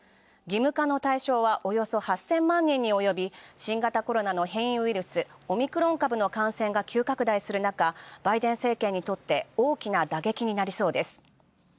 義務化の対象はおよそ８０００万人におよび新型コロナウイルスの変異ウイルス、オミクロン株の感染が急拡大するなか、バイデン政権にとって大きな打撃になりそうです。